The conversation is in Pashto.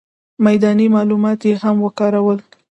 میداني معلومات یې هم وکارول.